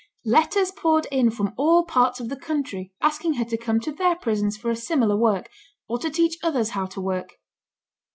Letters poured in from all parts of the country, asking her to come to their prisons for a similar work, or to teach others how to work.